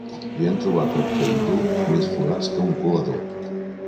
Li han trobat al païdor més forats que a un colador.